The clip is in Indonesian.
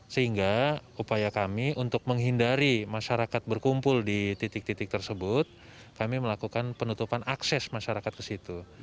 sehingga upaya kami untuk menghindari masyarakat berkumpul di titik titik tersebut kami melakukan penutupan akses masyarakat ke situ